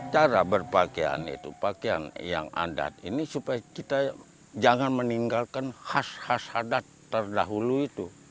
cara berpakaian itu pakaian yang adat ini supaya kita jangan meninggalkan khas khas adat terdahulu itu